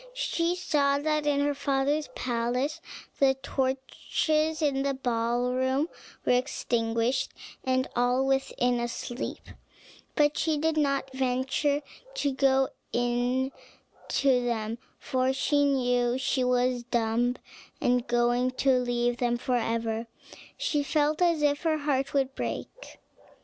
She saw that in her father's palace the torches in the ballroom were extinguished, and all within asleep; but she did not venture to go in to them, for now she was dumb and going to leave them forever, she felt as if her heart would break.